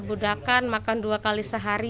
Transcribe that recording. tidak ada keuntungan sama sekali